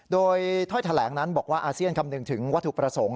โดยถ้อยแถลงนั้นบอกว่าอาเซียนคำนึงถึงวัตถุประสงค์